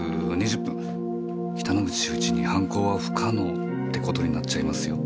北之口秀一に犯行は不可能って事になっちゃいますよ。